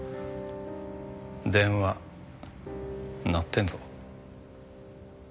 電話鳴ってんぞ。